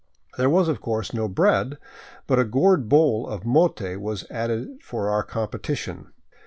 There was, of course, no bread, but a gourd bowl of mote was added for our competition.